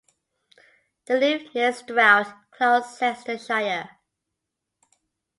They live near Stroud, Gloucestershire.